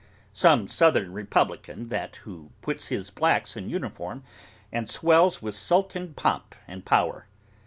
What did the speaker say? Some southern republican that, who puts his blacks in uniform, and swells with Sultan pomp and power.